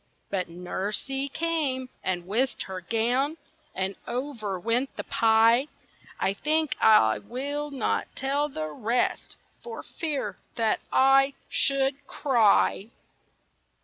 But Nursie came, and whisked her gown, And over went the pie. I think I will not tell the rest, For fear—that—I should—cry!